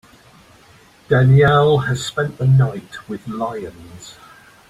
Danielle has spent the night with lions.